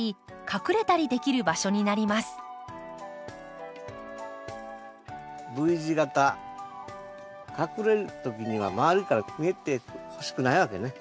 隠れる時には周りから見えてほしくないわけね。